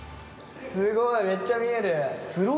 すごいめっちゃ見える。